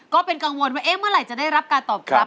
ก็เป็นกังวลว่าเมื่อไหร่จะได้รับการตอบรับ